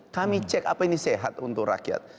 kami cek apa ini sehat untuk rakyat